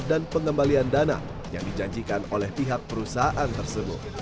dan pengembalian dana yang dijanjikan oleh pihak perusahaan tersebut